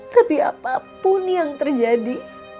tapi apapun yang terjadi